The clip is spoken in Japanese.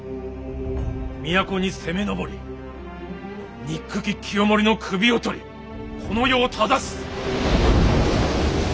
都に攻め上りにっくき清盛の首を取りこの世を正す。